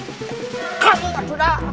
kau itu tak sudah